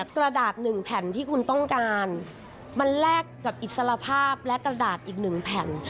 กระดาษ๑แผ่นที่คุณต้องการมันแลกกับอิสระภาพและกระดาษอีก๑แผ่น